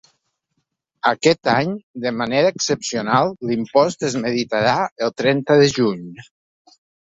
Aquest any de manera excepcional, l’impost es meritarà el trenta de juny.